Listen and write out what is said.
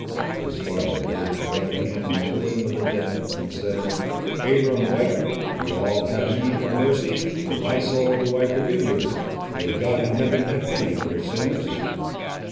The squatter laid his broad hand on the bosom of the dead, and said— "Abiram White, we all have need of mercy; from my soul do I forgive you! May God in Heaven have pity on your sins!"